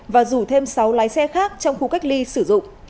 và rủ thêm sáu lái xe khác trong khu cách ly sử dụng